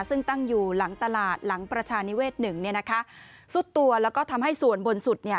ซึ่งตั้งอยู่หลังตลาดหลังประชานิเวศหนึ่งเนี่ยนะคะสุดตัวแล้วก็ทำให้ส่วนบนสุดเนี่ย